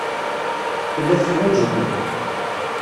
Tella teḥwaj-iken.